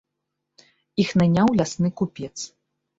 Іх наняў лясны купец.